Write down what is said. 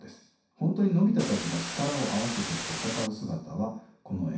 本当にのび太たちが力を合わせて戦う姿はこの映画の見どころでした。